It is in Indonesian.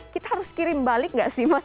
kita harus kirim balik nggak sih mas